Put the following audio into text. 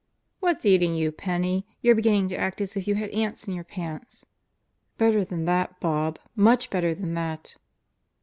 " "What's eating you, Penney. You're beginning to act as if you had ants in your pants." "Better than that, Bob. Much better than that!"